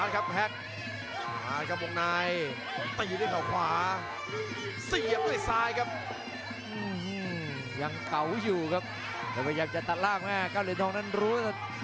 เกาหลียนทองนั้นรู้